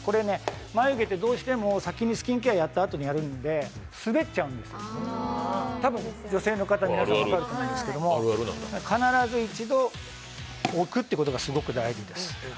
眉毛って、どうしても先にスキンケアをやったあとにやるので、滑っちゃうんです、多分、女性の方皆さん分かると思うんですけど必ず一度置くことがすごく大事です。